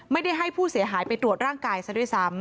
ให้ผู้เสียหายไปตรวจร่างกายซะด้วยซ้ำ